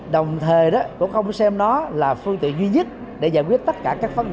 đồng thời cũng không xem nó là phương tiện duy nhất để giải quyết tất cả các phấn nạn